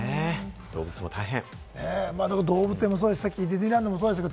動物も大変！